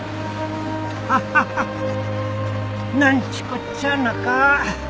ハハハなんちこっちゃなか。